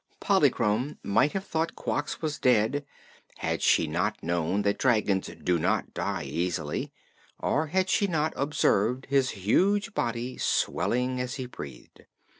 Polychrome might have thought Quox was dead had she not known that dragons do not die easily or had she not observed his huge body swelling as he breathed.